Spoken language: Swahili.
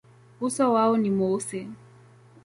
Uso wao ni mweusi.